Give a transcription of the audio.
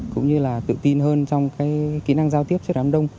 cũng như là tự tin hơn trong kỹ năng giao tiếp cho đám đông